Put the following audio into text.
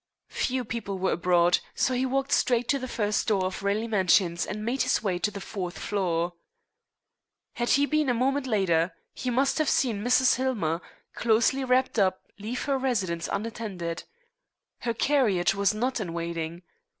Few people were abroad, so he walked straight to the first door of Raleigh Mansions and made his way to the fourth floor. Had he been a moment later he must have seen Mrs. Hillmer, closely wrapped up, leave her residence unattended. Her carriage was not in waiting.